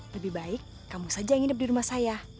lebih baik kamu saja yang hidup di rumah saya